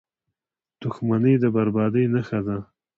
• دښمني د بربادۍ نښه ده.